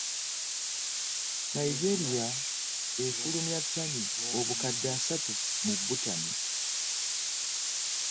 Nigeria efulumya ttani obukadde asatu mu butane.